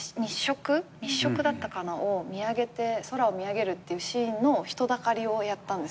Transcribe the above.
日食だったかなを見上げて空を見上げるっていうシーンの人だかりをやったんですよね。